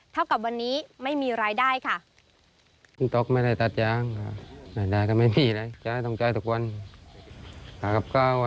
เท่ากับวันนี้ไม่มีรายได้ค่ะ